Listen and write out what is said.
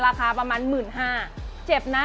ราคาประมาณ๑๕๐๐บาทเจ็บนะ